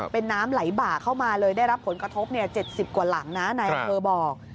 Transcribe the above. เป็นน้ำไหลบ่าเข้ามาเลยได้รับผลกระทบ๗๐กว่าหลังนะนายอำเภอบอก